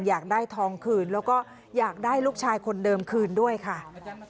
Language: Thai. อยากได้ทองคืนแล้วก็อยากได้ลูกชายคนเดิมคืนด้วยค่ะ